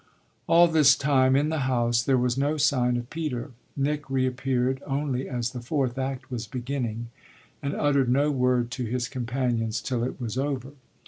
All this time, in the house, there was no sign of Peter. Nick reappeared only as the fourth act was beginning and uttered no word to his companions till it was over.